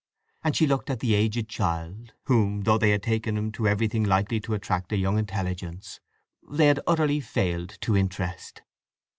And she looked at the aged child, whom, though they had taken him to everything likely to attract a young intelligence, they had utterly failed to interest.